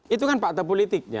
itu kan fakta politiknya